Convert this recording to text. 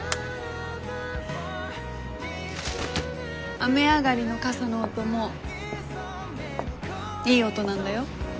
雨上がりの傘の音もいい音なんだよ？